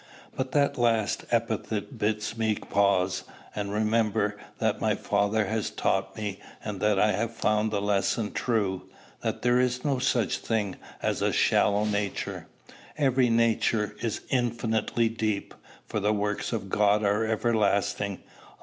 But that last epithet bids me pause, and remember that my father has taught me, and that I have found the lesson true, that there is no such thing as a shallow nature: every nature is infinitely deep, for the works of God are everlasting.